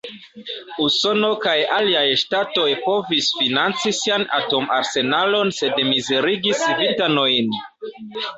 Usono kaj aliaj ŝtatoj povis financi sian atom-arsenalon sen mizerigi civitanojn.